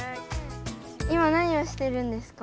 今何をしてるんですか？